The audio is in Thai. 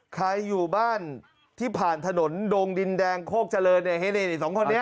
ใครอยู่บ้านที่ผ่านถนนดงดินแดงโคกเจริญเนี่ยสองคนนี้